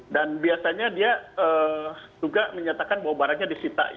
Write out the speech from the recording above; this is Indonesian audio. dan biasanya dia juga menyatakan bahwa barangnya disita ya